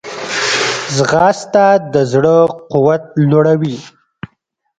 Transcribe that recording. ځغاسته د زړه قوت لوړوي